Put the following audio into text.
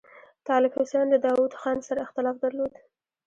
طالب حسین له داوود خان سره اختلاف درلود.